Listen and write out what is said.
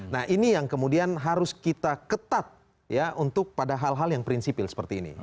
nah ini yang kemudian harus kita ketat ya untuk pada hal hal yang prinsipil seperti ini